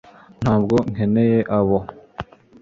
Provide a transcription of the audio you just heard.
ntabwo nkeneye abo